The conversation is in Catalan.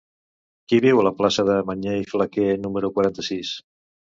Qui viu a la plaça de Mañé i Flaquer número quaranta-sis?